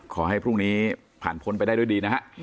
ขอให้พรุ่งนี้ผ่านพ้นไปได้ด้วยดีนะฮะ